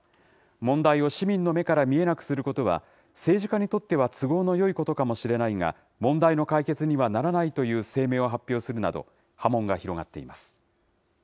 問題を市民の目から見えなくすることは、政治家にとっては都合のよいことかもしれないが、問題の解決にはならないという声明を発表するなど、波紋が広がっています。